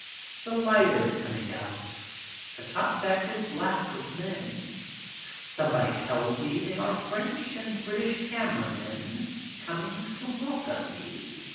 The lighter is coming out. The top deck is black with men. Somebody tells me they are French and British camera men coming to welcome me.